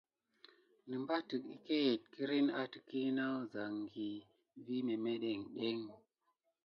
Nəbatek əkayet kiriŋ a təky na əzangya vi memeɗiŋɗeŋ.